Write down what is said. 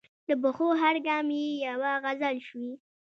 د پښو هر ګام یې یوه غزل شوې.